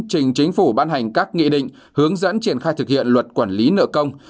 trình chính phủ ban hành các nghị định hướng dẫn triển khai thực hiện luật quản lý nợ công